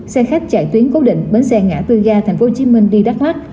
xe khách chạy tuyến cố định bến xe ngã tư ga thành phố hồ chí minh đi đắk lắc